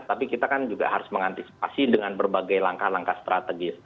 tapi kita kan juga harus mengantisipasi dengan berbagai langkah langkah strategis